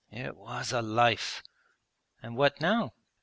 It was a life!' 'And what now?'